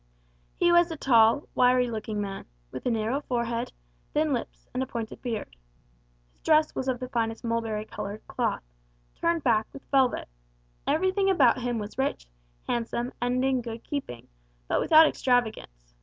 He was a tall, wiry looking man, with a narrow forehead, thin lips, and a pointed beard. His dress was of the finest mulberry coloured cloth, turned back with velvet; everything about him was rich, handsome, and in good keeping, but without extravagance.